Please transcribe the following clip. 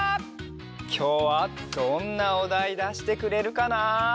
きょうはどんなおだいだしてくれるかな？